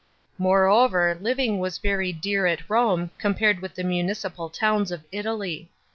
f Moreover living was very dear at Rome compared with the municipal ton ns of Italy.